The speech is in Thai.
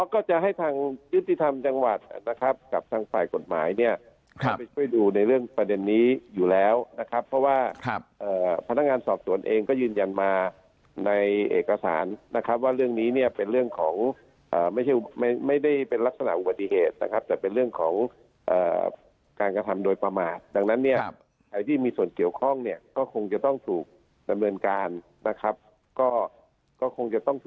ก็จะให้ทางยุติธรรมจังหวัดนะครับกับทางฝ่ายกฎหมายเนี่ยเข้าไปช่วยดูในเรื่องประเด็นนี้อยู่แล้วนะครับเพราะว่าพนักงานสอบสวนเองก็ยืนยันมาในเอกสารนะครับว่าเรื่องนี้เนี่ยเป็นเรื่องของไม่ใช่ไม่ได้เป็นลักษณะอุบัติเหตุนะครับแต่เป็นเรื่องของการกระทำโดยประมาทดังนั้นเนี่ยใครที่มีส่วนเกี่ยวข้องเนี่ยก็คงจะต้องถูกดำเนินการนะครับก็ก็คงจะต้อง